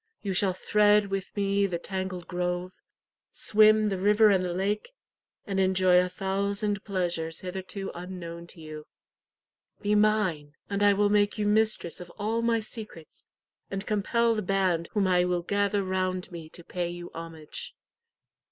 You shall thread with me the tangled grove, swim the river and the lake, and enjoy a thousand pleasures hitherto unknown to you. Be mine, and I will make you mistress of all my secrets, and compel the band whom I will gather round me to pay you homage.